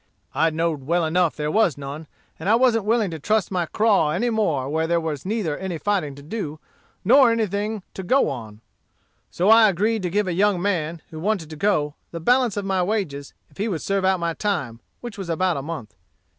I know'd well enough there was none, and I wasn't willing to trust my craw any more where there was neither any fighting to do, nor anything to go on. So I agreed to give a young man, who wanted to go, the balance of my wages, if he would serve out my time, which was about a month.